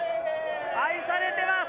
愛されてます